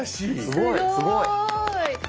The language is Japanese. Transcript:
すごい。